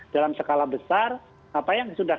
dalam skala besar apa yang sudah